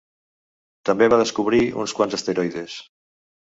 També va descobrir uns quants asteroides.